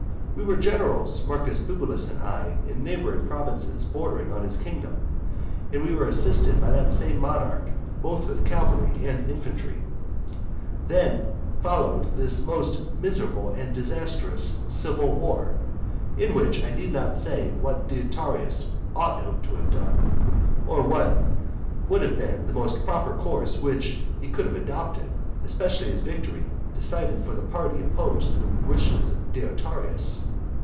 We were generals, Marcus Bibulus and I, in neighbouring provinces bordering on his kingdom; and we were assisted by that same monarch both with cavalry and infantry. Then followed this most miserable and disastrous civil war; in which I need not say what Deiotarus ought to have done, or what would have been the most proper course which he could have adopted, especially as victory decided for the party opposed to the wishes of Deiotarus.